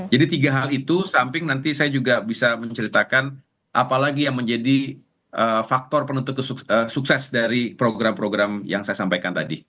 jadi tiga hal itu samping nanti saya juga bisa menceritakan apalagi yang menjadi faktor penentu sukses dari program program yang saya sampaikan tadi